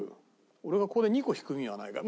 俺がここで２個引く意味はないか。